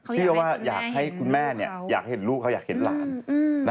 อยากให้คุณแม่อยากเห็นลูกเขาอยากเห็นหลาน